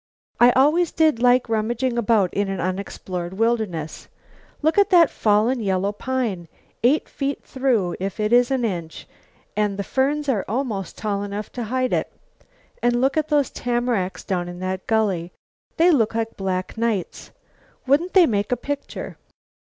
"I always did like rummaging about in an unexplored wilderness. Look at that fallen yellow pine; eight feet through if it is an inch; and the ferns are almost tall enough to hide it. And look at those tamaracks down in that gully; they look like black knights. Wouldn't they make a picture?"